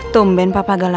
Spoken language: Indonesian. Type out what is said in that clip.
tumben papa agak lama